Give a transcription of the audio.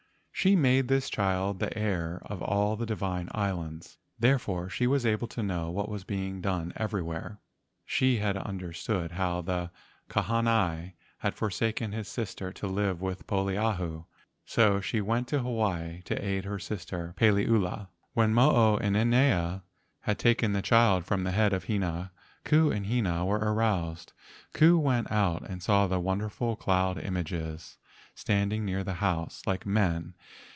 She made this child the heir of all the divine islands, therefore she was able to know what was being done everywhere. She understood how the Kahanai had forsaken his sister to live with Poliahu. So she went to Hawaii to aid her sister Paliula. When Mo o inanea had taken the child from the head of Hina, Ku and Hina were aroused. Ku went out and saw wonderful cloud images standing near the house, like men.